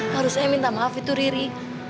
harus saya minta maaf itu riri